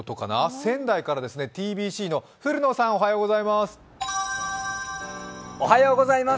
仙台からですね、ｔｂｃの古野さん、おはようございます。